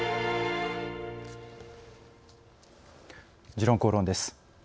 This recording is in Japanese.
時論公論です。